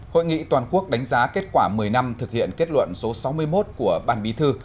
hội nghị toàn quốc đánh giá kết quả một mươi năm thực hiện kết luận số sáu mươi một của ban bí thư